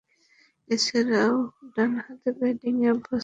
এছাড়াও, ডানহাতে ব্যাটিংয়ে অভ্যস্ত তিনি।